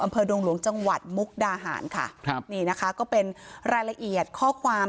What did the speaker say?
ดวงหลวงจังหวัดมุกดาหารค่ะครับนี่นะคะก็เป็นรายละเอียดข้อความ